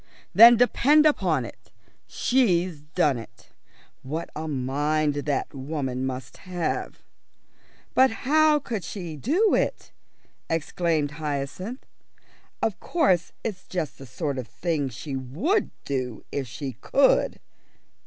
"Then depend upon it, she's done it. What a mind that woman must have!" "But how could she do it?" exclaimed Hyacinth. "Of course it's just the sort of thing she would do if she could."